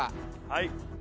はい。